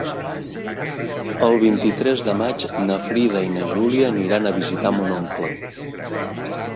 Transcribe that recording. El vint-i-tres de maig na Frida i na Júlia aniran a visitar mon oncle.